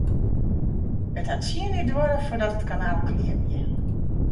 It hat tsien jier duorre foardat it kanaal klear wie.